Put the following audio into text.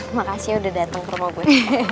makasih udah dateng ke rumah gue